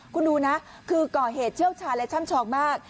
คุณดูนะคือก่อเหตุเชี่ยวชาญและช่ำชองมาก